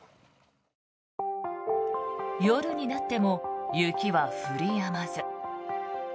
夜になっても雪は降りやまず。